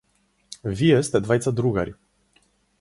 Вие сте двајца другари.